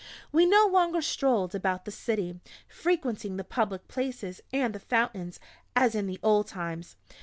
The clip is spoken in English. We no longer strolled about the city, frequenting the public places, and the fountains, as in the old times.